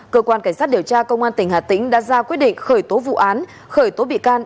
cơ quan cảnh sát điều tra công an tỉnh hà tĩnh đã ra quyết định khởi tố vụ án khởi tố bị can